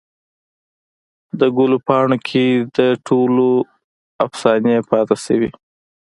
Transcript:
دګلو پاڼوکې دټولو افسانې پاته شوي